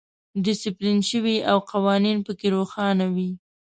ډیسپلین شوی او قوانین پکې روښانه وي.